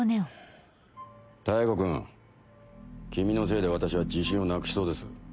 妙子君君のせいで私は自信をなくしそうです。